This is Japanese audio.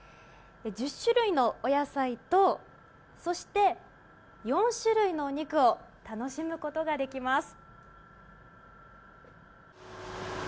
１０種類のお野菜とそして４種類のお肉を楽しむことができます。